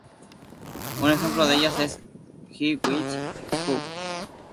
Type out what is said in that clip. Un ejemplo de ellas es "The Bell Hop".